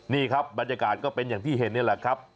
นี่ครับบรรยากาศก็เป็นอย่างที่เห็นนี่แหละครับ